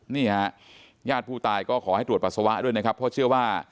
นี่ฮะญาติผู้ตายก็ขอให้ตรวจปัสสาวะด้วยนะครับเพราะเชื่อว่า